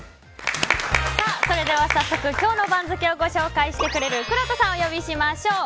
それでは早速、今日の番付を紹介してくれるくろうとさんをお呼びしましょう。